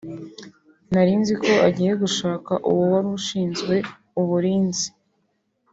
nari nziko agiye gushaka uwo wari ushinzwe uburinzi